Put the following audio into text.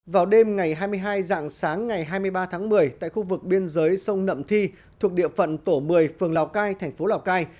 vào đêm ngày hai mươi hai dạng sáng ngày hai mươi ba tháng một mươi tại khu vực biên giới sông nậm thi thuộc địa phận tổ một mươi phường lào cai thành phố lào cai